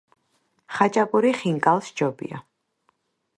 ხაჭაპური ხინკალს ჯობია